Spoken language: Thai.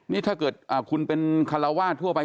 นี่ถ้าเกิดคุณเป็นคาราวาสทั่วไป